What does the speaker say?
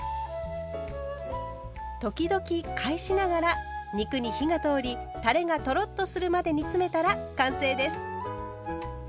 時々返しながら肉に火が通りたれがトロッとするまで煮詰めたら完成です。